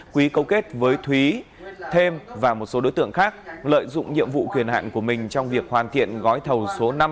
quý câu kết với thúy thêm và một số đối tượng khác lợi dụng nhiệm vụ quyền hạn của mình trong việc hoàn thiện gói thầu số năm